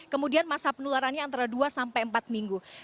kemudian masa penularannya antara dua sampai empat minggu